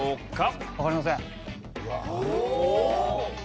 わかりません。